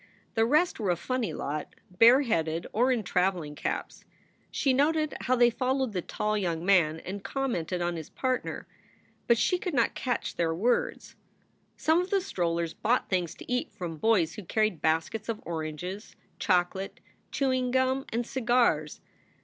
The rest were a funny lot, bareheaded or in traveling caps. She noted how they followed the tall young man and commented on his partner. But she could not catch their words. Some of the strollers bought things to eat from boys who carried baskets of oranges, chocolate, chewing gum, and cigars.